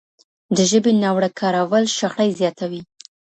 د ژبي ناوړه کارول شخړې زیاتوي.